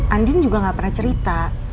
andin juga gak pernah cerita